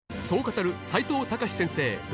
そう語る齋藤孝先生